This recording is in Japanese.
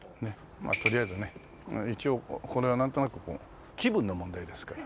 まあとりあえずね一応これはなんとなくこう気分の問題ですから。